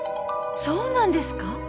そうなんですか？